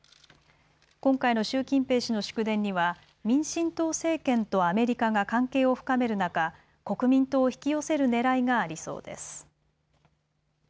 今回の習近平氏の祝電には民進党政権とアメリカが関係を深める中、国民党を引き寄せるねらいがありそうです。